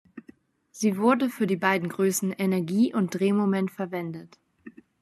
Sie wurde für die beiden Größen Energie und Drehmoment verwendet.